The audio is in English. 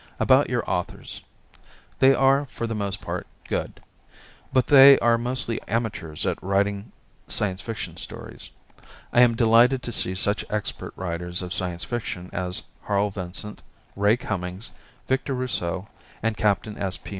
About your authors. They are, for the most part, good. But they are mostly amateurs at writing Science Fiction stories. I am delighted to see such expert writers of Science Fiction as Harl Vincent, Ray Cummings, Victor Rousseau and Captain S. P.